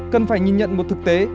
cần phải nhìn nhận một thực tế